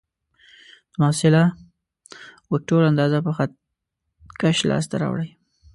د محصله وکتور اندازه په خط کش لاس ته راوړئ.